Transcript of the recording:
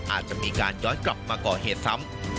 อาจจะมีการย้อนกลับมาก่อเหตุซ้ำ